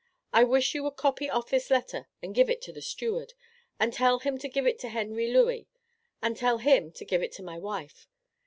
I wish you would copy off this letter and give it to the Steward, and tell him to give it to Henry Lewy and tell him to give it to my wife.